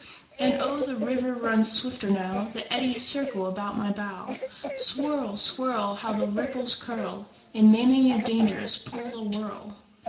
And oh, the river runs swifter now; The eddies circle about my bow. Swirl, swirl! How the ripples curl In many a dangerous pool awhirl!